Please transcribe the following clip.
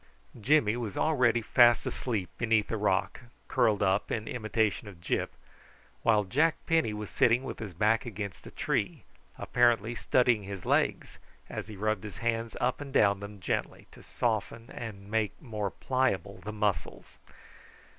Jimmy was already fast asleep beneath a rock, curled up in imitation of Gyp, while Jack Penny was sitting with his back against a tree, apparently studying his legs as he rubbed his hands up and down them gently, to soften and make more pliable the muscles.